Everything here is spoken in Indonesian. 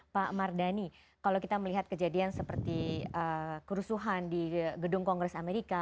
pak mardhani kalau kita melihat kejadian seperti kerusuhan di gedung kongres amerika